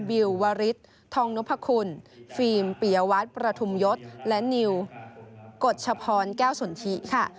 วิววริสทองนพคุณฟิล์มปียวัตรประทุมยศและนิวกฎชพรแก้วสนทิค่ะ